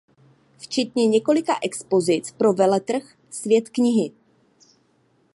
Včetně několika expozic pro veletrh Svět knihy.